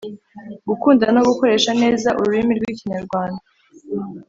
gukunda no gukoresha neza ururimi rw’ikinyarwanda.”